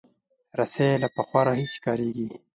رسۍ له پخوا راهیسې کارېږي.